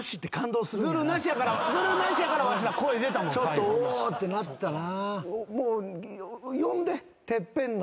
ちょっとお！ってなったな。